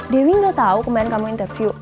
dewi gak tahu kemarin kamu interview